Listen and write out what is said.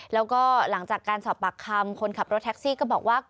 แล้วก็หลังจากการสอบปากคำคนขับรถแท็กซี่ก็บอกว่า